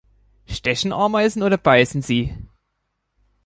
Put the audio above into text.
Stechen Ameisen oder beißen sie?